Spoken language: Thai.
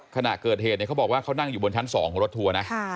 ขณะเกิดเหตุเขาบอกว่าเขานั่งอยู่บนชั้น๒ของรถทัวร์นะ